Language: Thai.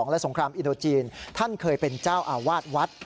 และสงครามอินโดจีนท่านเคยเป็นเจ้าอาวาสวัด